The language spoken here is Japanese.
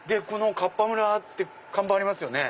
かっぱ村って看板ありますよね。